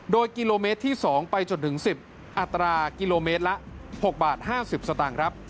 โดยกิโลเมตรที่๒ไปจนถึง๑๐อัตรากิโลเมตรละ๖บาท๕๐สตางค์ครับ